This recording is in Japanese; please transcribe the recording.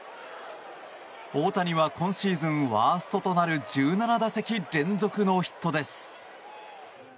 大谷は今シーズンワーストとなる１７打席連続ノーヒットです。